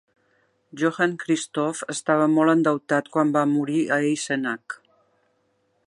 Johann Christoph estava molt endeutat quan va morir a Eisenach.